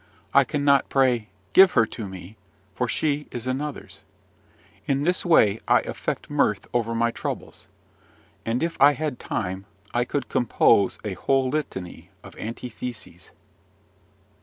I cannot pray, "Give her to me!" for she is another's. In this way I affect mirth over my troubles; and, if I had time, I could compose a whole litany of antitheses.